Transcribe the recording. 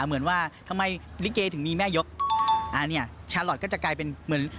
เหมือนว่าทำไมลิเกถึงมีแม่ยกอ่าเนี่ยชาลอทก็จะกลายเป็นเหมือน